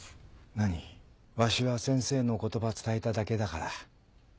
何わしは先生の言葉伝えただけだから。